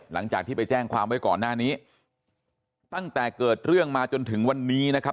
หลังจากที่ไปแจ้งความไว้ก่อนหน้านี้ตั้งแต่เกิดเรื่องมาจนถึงวันนี้นะครับ